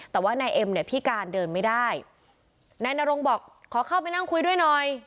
แต่ว่านายเอ็มเนี่ยพิการเดินไม่ได้นายนรงบอกขอเข้าไปนั่งคุยด้วยหน่อย